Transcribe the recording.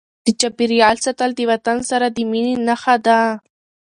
د چاپیریال ساتل د وطن سره د مینې نښه ده.